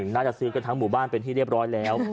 น่าจะซื้อกันทั้งหมู่บ้านเป็นที่เรียบร้อยแล้ว